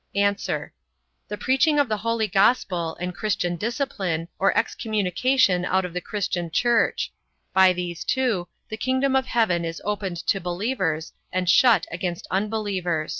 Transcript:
A. The preaching of the holy gospel, and christian discipline, or excommunication out of the christian church; by these two, the kingdom of heaven is opened to believers, and shut against unbelievers.